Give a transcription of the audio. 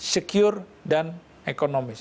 secure dan ekonomis